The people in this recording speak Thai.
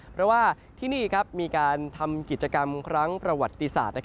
เพราะว่าที่นี่มีการทำกิจกรรมครั้งประวัติศาสตร์